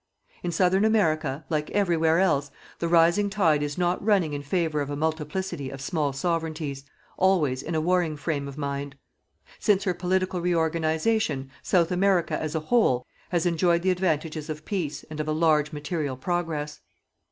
In Southern America, like everywhere else, the rising tide is not running in favour of a multiplicity of small Sovereignties, always in a warring frame of mind. Since her political reorganization, South America, as a whole, has enjoyed the advantages of peace and of a large material progress.